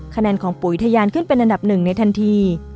คะแนนของปุ๋ยทะยานขึ้นเป็นอันดับหนึ่งในทันที